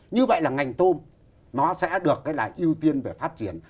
như vậy là ngành tôm nó sẽ được là ưu tiên về phát triển